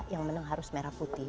yang menang harus merah putih